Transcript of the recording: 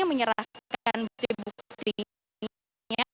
menyerahkan bukti bukti nya